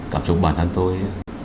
cảm xúc bản thân tôi